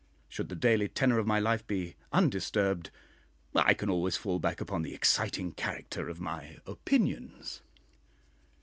Should the daily tenor of my life be undisturbed, I can always fall back upon the exciting character of my opinions.